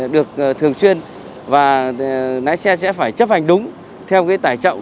được thường xuyên và lái xe sẽ phải chấp hành đúng theo cái tải trọng